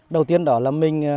đầu tiên đó là mình